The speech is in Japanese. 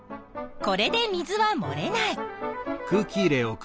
これで水はもれない。